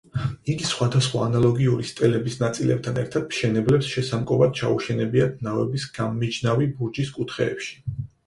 იგი სხვადასხვა ანალოგიური სტელების ნაწილებთან ერთად მშენებლებს შესამკობად ჩაუშენებიათ ნავების გამმიჯნავი ბურჯის კუთხეებში.